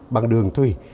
bằng đường thủy